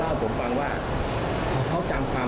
ฮ่าถึงฟังมาตั้งกัน